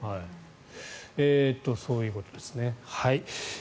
そういうことですね。